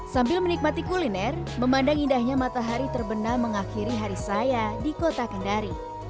sambil menikmati kuliner memandang indahnya matahari terbenam mengakhiri hari saya di kota kendari